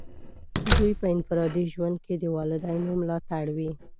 دوی په انفرادي ژوند کې د والدینو ملاتړ وي.